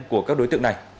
của các đối tượng này